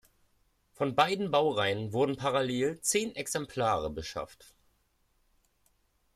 Von beiden Baureihen wurden parallel zehn Exemplare beschafft.